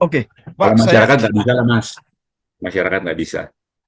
kalau masyarakat tidak bisa mas masyarakat tidak bisa